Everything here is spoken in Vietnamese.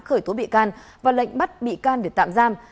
khởi tố bị can và lệnh bắt bị can để tạm giam